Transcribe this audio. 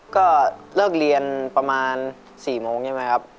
ก็เลิกเรียนประมาณ๔โมงใช่ไหมครับ